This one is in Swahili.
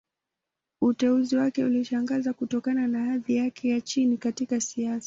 Uteuzi wake ulishangaza, kutokana na hadhi yake ya chini katika siasa.